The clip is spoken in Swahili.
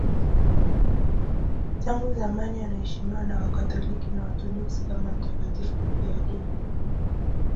Tangu zamani anaheshimiwa na Wakatoliki na Waorthodoksi kama mtakatifu mfiadini.